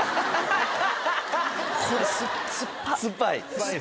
酸っぱい？